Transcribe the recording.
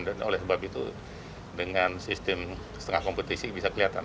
dan oleh sebab itu dengan sistem setengah kompetisi bisa kelihatan